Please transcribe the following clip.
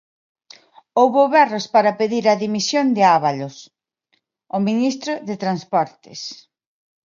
Houbo berros para pedir a dimisión de Ábalos, o ministro de Transportes.